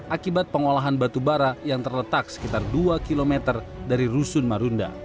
akibat pengolahan batu bara yang terletak sekitar dua km dari rusun marunda